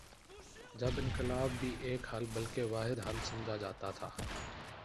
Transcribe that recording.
جب انقلاب بھی ایک حل بلکہ واحد حل سمجھا جاتا تھا۔